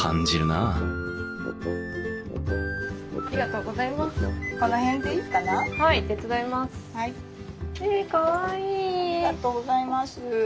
ありがとうございます。